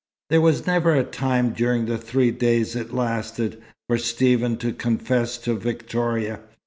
There was never a time during the three days it lasted, for Stephen to confess to Victoria.